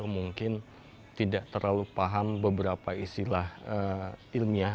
mungkin tidak terlalu paham beberapa istilah ilmiah